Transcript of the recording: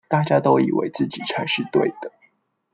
大家都以為自己才是對的